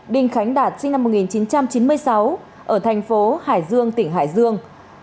đinh khánh đạt sinh năm một nghìn chín trăm chín mươi sáu ở thành phố hải dương tỉnh hải dương